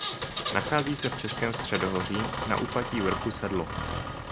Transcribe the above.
Nachází se v Českém středohoří na úpatí vrchu Sedlo.